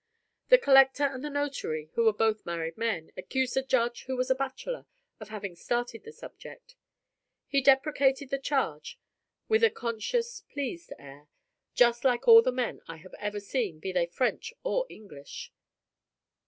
The collector and the notary, who were both married men, accused the Judge, who was a bachelor, of having started the subject. He deprecated the charge, with a conscious, pleased air, just like all the men I have ever seen, be they French or English.